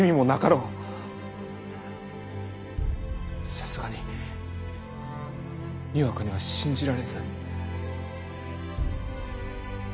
さすがににわかには信じられず。